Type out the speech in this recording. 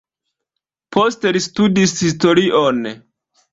Poste li studis historion.